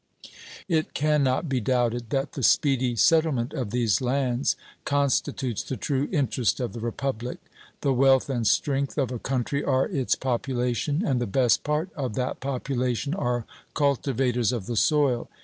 It can not be doubted that the speedy settlement of these lands constitutes the true interest of the Republic. The wealth and strength of a country are its population, and the best part of that population are cultivators of the soil.